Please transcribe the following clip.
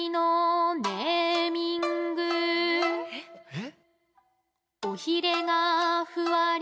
えっ？